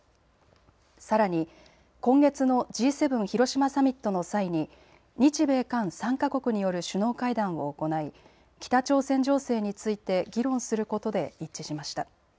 さらに今月のＧ７広島サミットの際に日米韓３か国による首脳会談を行い、北朝鮮情勢について議論することで一致しました。